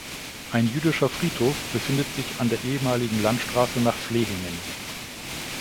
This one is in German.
Ein jüdischer Friedhof befindet sich an der ehemaligen Landstraße nach Flehingen.